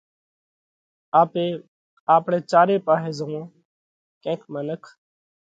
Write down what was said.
آپي آپڻئہ چاري پاهي زوئون۔ ڪينڪ منک